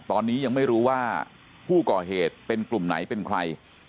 ตอนนี้ยังไม่รู้ว่าผู้ก่อเหตุเป็นกลุ่มไหนเป็นใคร